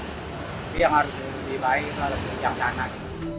tapi yang harus dipainkan harus dikisahkan